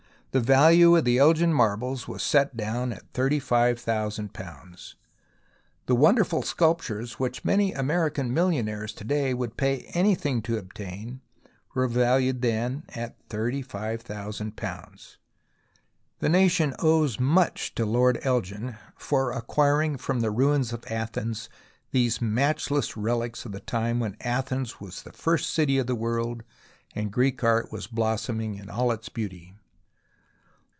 The value of the Elgin Marbles was set down at £35,000. The wonderful sculptures which many American millionaires to day would pay anything 182 THE ROMANCE OF EXCAVATION to obtain were valued then at £35,000. The nation owes much to Lord Elgin for acquiring from the ruins of Athens these matchless relics of the time when Athens was the first city of the world and Greek art was blooming in all its beauty.